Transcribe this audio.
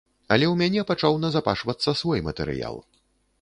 Але ў мяне пачаў назапашвацца свой матэрыял.